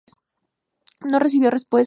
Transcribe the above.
No recibió respuesta.